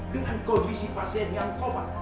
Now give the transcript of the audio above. dengan kondisi pasien yang koma